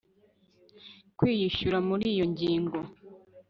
kwiyishyura muri iyo ngingo